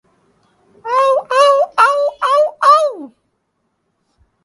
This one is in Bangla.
আউ, আউ, আউ, আউ, আউ।